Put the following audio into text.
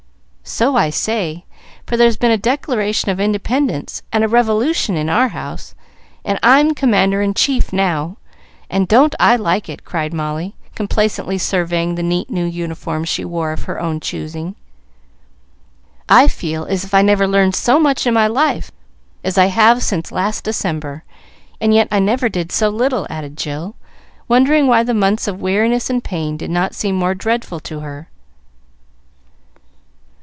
"So I say, for there's been a Declaration of Independence and a Revolution in our house, and I'm commander in chief now; and don't I like it!" cried Molly, complacently surveying the neat new uniform she wore of her own choosing. "I feel as if I never learned so much in my life as I have since last December, and yet I never did so little," added Jill, wondering why the months of weariness and pain did not seem more dreadful to her.